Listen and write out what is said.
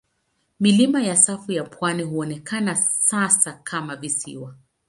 Milima ya safu ya pwani huonekana sasa kama visiwa.